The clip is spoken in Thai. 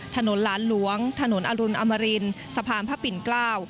ถนนหลานหลวงถนนอรุณอมรินสะพานพระปิ่นเกล้า